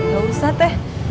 gak usah teh